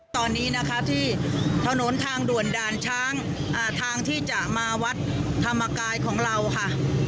ตอนนี้นะคะที่ถนนทางด่วนด่านช้างทางที่จะมาวัดธรรมกายของเราค่ะ